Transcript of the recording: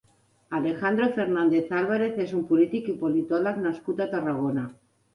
Alejandro Fernández Álvarez és un polític i politòleg nascut a Tarragona.